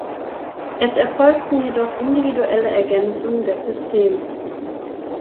Es erfolgten jedoch individuelle Ergänzungen des Systems.